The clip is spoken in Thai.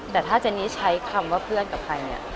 แต่ถ้าเจนนี่ใช้คำว่าเพื่อนกับใครเนี่ย